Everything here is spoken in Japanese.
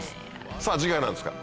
さぁ次回何ですか？